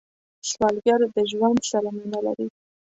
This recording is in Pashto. سوالګر د ژوند سره مینه لري